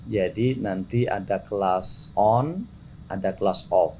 jadi nanti ada kelas on ada kelas off